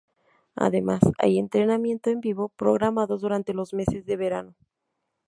Además, hay entretenimiento en vivo programados durante los meses de verano.